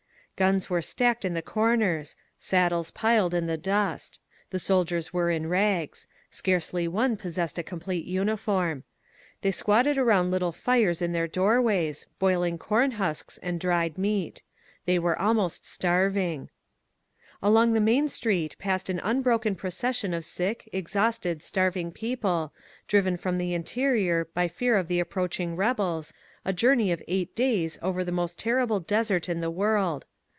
Guns were stacked in the comers, saddles piled in the dust. The soldiers were in rags; scarcely one possessed a complete uniform. They squatted around little fires in 3 INSURGENT MEXICO their doorways, boiling corn husks and dried meat. They were ahnost starving. Along the main street passed an unbroken proces sion of sick, exhausted, starving people, driven from the interior by fear of the approaching rebels, a jour ney of eight days over the most terrible desert in the world.